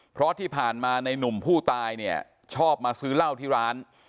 เพราะที่ผ่านมาในหนุ่มผู้ตายเนี่ยชอบมาซื้อเหล้าที่ร้าน